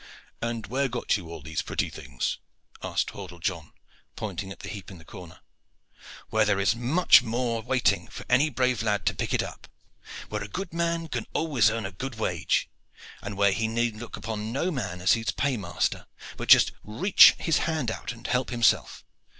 "And where got you all these pretty things?" asked Hordle John, pointing at the heap in the corner. "Where there is as much more waiting for any brave lad to pick it up. Where a good man can always earn a good wage, and where he need look upon no man as his paymaster, but just reach his hand out and help himself.